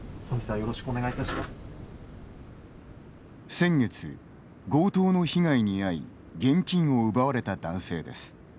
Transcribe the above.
先月、強盗の被害に遭い現金を奪われた男性です。